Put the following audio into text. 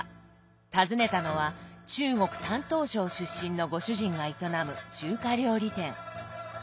訪ねたのは中国山東省出身のご主人が営む中華料理店。